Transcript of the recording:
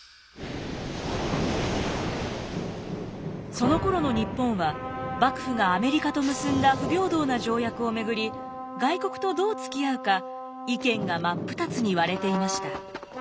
そのころの日本は幕府がアメリカと結んだ不平等な条約をめぐり外国とどうつきあうか意見が真っ二つに割れていました。